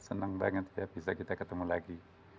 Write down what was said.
senang banget tidak bisa kita ketemu lagi